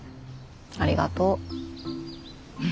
ありがとう。